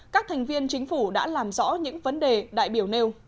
các thành viên chính phủ đã làm rõ những vấn đề đại biểu nêu